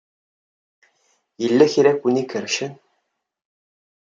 Yella kra ay ken-ikerrcen.